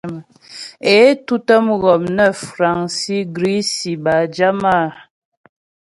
É tǔtə mghɔm nə́ fraŋsi, grisi bâ jama.